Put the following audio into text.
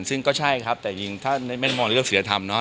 ซึ่งก็ใช่ครับแต่จริงถ้าไม่มองในเรื่องศิลธรรมเนอ